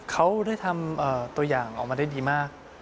เขาได้ทำตัวอย่างออกมาได้ดีมาก